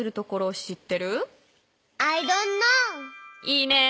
いいね。